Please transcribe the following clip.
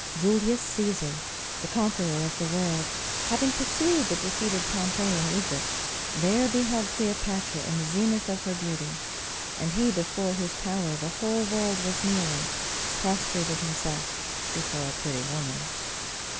Julius Cæsar, the conqueror of the world, having pursued the defeated Pompey into Egypt, there beheld Cleopatra in the zenith of her beauty; and he before whose power the whole world was kneeling, prostrated himself before a pretty woman.